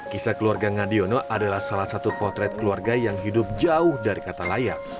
kisah keluarga ngadiono adalah salah satu potret keluarga yang hidup jauh dari kata layak